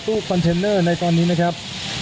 ตู้คอนเทนเนอร์ในตอนนี้นะครับ